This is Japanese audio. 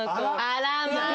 あらまあ！